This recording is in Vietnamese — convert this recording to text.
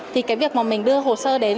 thì cái việc mà mình đưa hồ sơ đến